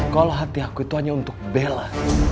kalau hati aku itu hanya untuk bela